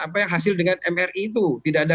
apa yang hasil dengan mri itu tidak ada